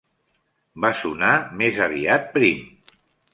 Va sonar més aviat prim.